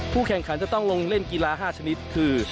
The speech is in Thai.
แข่งขันจะต้องลงเล่นกีฬา๕ชนิดคือ